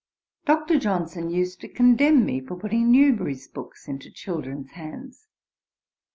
16) says: 'Dr. Johnson used to condemn me for putting Newbery's books into children's hands.